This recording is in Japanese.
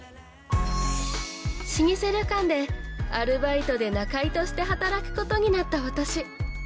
◆老舗旅館でアルバイトで仲居として働くことになった私。